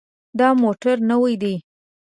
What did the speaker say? دا موټر نوی دی.